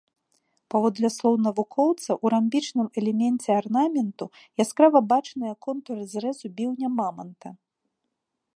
Паводле слоў навукоўца, у рамбічным элеменце арнаменту яскрава бачныя контуры зрэзу біўня маманта.